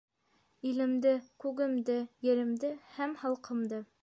Илемде, күгемде, еремде һәм халҡымды.